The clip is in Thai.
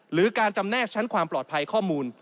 หรือการจำแนกชั้นความปลอดภัยข้อมูล